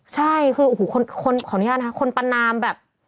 ใช่คือขออนุญาตนะครับคนประนามแบบ